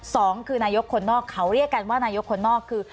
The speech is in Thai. สองคือนายกคนนอกเขาเรียกกันว่านายกคนนอกคือ